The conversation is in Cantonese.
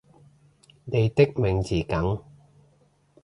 你的名字梗